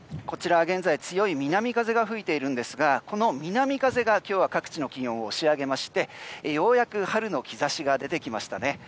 こちらは現在強い南風が吹いているんですがこの南風が今日各地の気温を押し上げましてようやく春の兆しが出てきました。